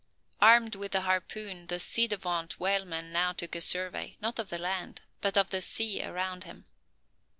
Armed with the harpoon, the ci devant whaleman now took a survey, not of the land, but of the sea around him.